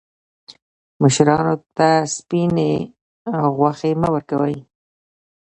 مشرانو ته سپیني غوښي مه ورکوئ.